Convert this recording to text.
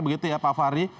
begitu ya pak fahri